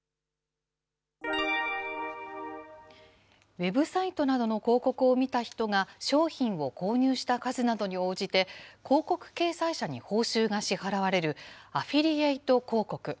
ウェブサイトなどの広告を見た人が、商品を購入した数などに応じて、広告掲載者に報酬が支払われるアフィリエイト広告。